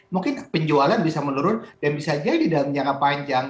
mungkin penjualan bisa menurun dan bisa jadi dalam jangka panjang